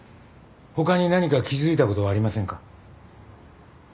他に何か気づいた事はありませんか？